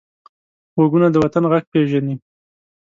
غوږونه د وطن غږ پېژني